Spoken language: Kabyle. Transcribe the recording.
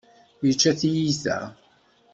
Yečča tiyita.